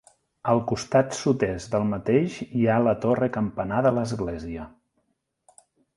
Al costat sud-est del mateix hi ha la torre campanar de l'església.